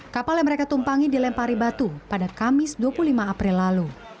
kapal yang mereka tumpangi dilempari batu pada kamis dua puluh lima april lalu